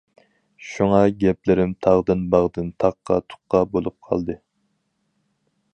شۇڭا گەپلىرىم تاغدىن-باغدىن، تاققا-تۇققا بولۇپ قالدى.